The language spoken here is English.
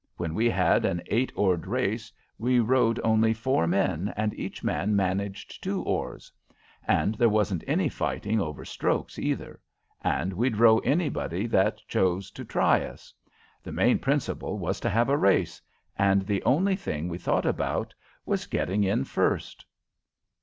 When we had an eight oared race, we rowed only four men, and each man managed two oars. And there wasn't any fighting over strokes, either; and we'd row anybody that chose to try us. The main principle was to have a race, and the only thing we thought about was getting in first."